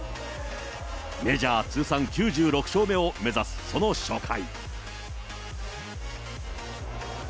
メジャー通算９６勝目を目指すその初回。